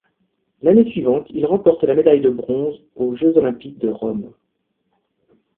L'année suivante, il remporte la médaille de bronze aux Jeux olympiques de Rome.